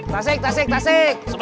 tasik tasik tasik